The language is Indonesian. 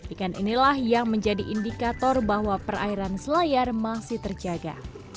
ikan inilah yang menjadi indikator bahwa perairan selayar masih terjaga